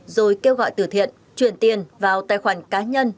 rồi kêu gọi tử thiện chuyển tiền vào tài khoản cá nhân